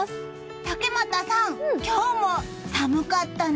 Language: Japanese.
竹俣さん、今日も寒かったね。